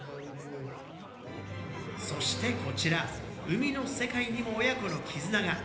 そしてこちら、海の世界にも親子の絆が。